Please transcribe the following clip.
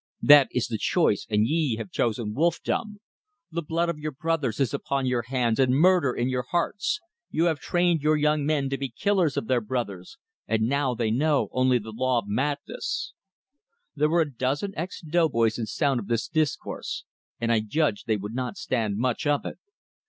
That is the choice, and ye have chosen wolfhood. The blood of your brothers is upon your hands, and murder in your hearts. You have trained your young men to be killers of their brothers, and now they know only the law of madness." There were a dozen ex doughboys in sound of this discourse, and I judged they would not stand much of it.